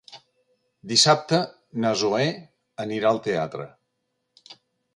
Dissabte na Zoè anirà al teatre.